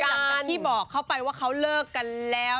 หลังจากที่บอกเขาไปว่าเขาเลิกกันแล้ว